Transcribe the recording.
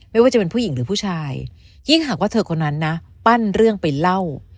ไม่ว่าจะเป็นผู้หญิงหรือผู้ชายยิ่งหากว่าเธอคนนั้นนะปั้นเรื่องไปเล่า